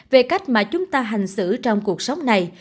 về cách mà chúng ta hành xử trong cuộc sống này